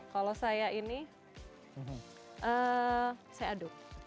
kalau saya ini saya aduk